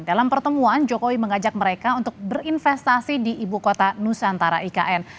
dalam pertemuan jokowi mengajak mereka untuk berinvestasi di ibu kota nusantara ikn